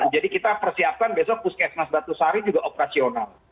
kita persiapkan besok puskesmas batu sari juga operasional